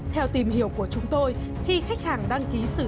theo tìm hiểu của chúng tôi khi khách hàng đăng ký sử dụng dịch vụ này